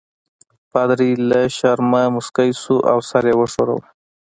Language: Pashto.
پادري له شرمه مسکی شو او سر یې وښوراوه.